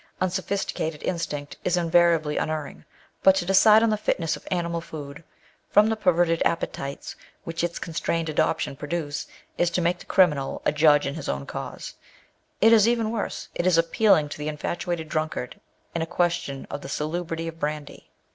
Unsophisticated instinct is invariably un erring; but to decide on the fitness of animal food, from the perverted appetites which its constrained adoption produce, is to make the criminal a judge in his own cause ; it is even worse, it is appealing to the infatuated drunkard in a question of the salubrity of brandy.